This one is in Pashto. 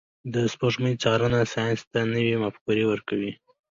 د سپوږمۍ څارنه ساینس ته نوي مفکورې ورکوي.